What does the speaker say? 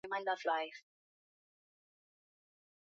Mnyama kutupa mimba ni dalili nyingine ya ugonjwa wa mapafu